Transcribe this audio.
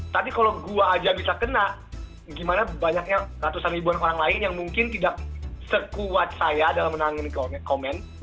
tapi kalau gue aja bisa kena gimana banyaknya ratusan ribuan orang lain yang mungkin tidak sekuat saya dalam menangani komen